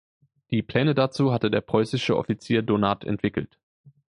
Die Pläne dazu hatte der preußische Offizier Donat entwickelt.